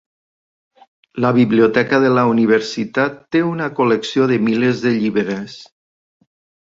La biblioteca de la universitat té una col·lecció de milers de llibres.